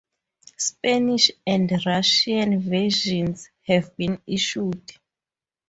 Spanish and Russian versions have been issued.